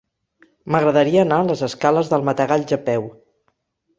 M'agradaria anar a les escales del Matagalls a peu.